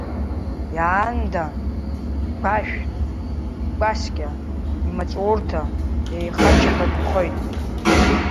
Иаанда, игәашә, икәасқьа, имаҵурҭа деихачаԥа дынхоит.